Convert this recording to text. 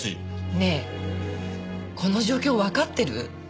ねえこの状況わかってる？